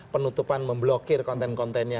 penutupan memblokir konten kontennya